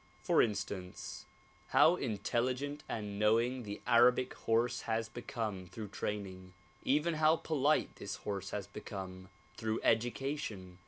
For instance, how intelligent and knowing the Arabian horse has become through training ; even how polite this horse has become through education.